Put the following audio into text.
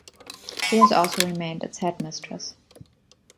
She has also remained its Headmistress.